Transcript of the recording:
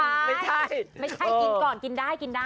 ไม่ใช่ไม่ใช่กินก่อนกินได้กินได้